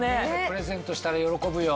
プレゼントしたら喜ぶよ。